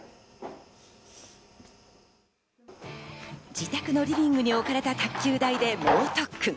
自宅のリビングに置かれた卓球台で猛特訓。